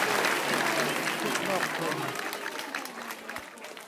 ที่ครอบคลุม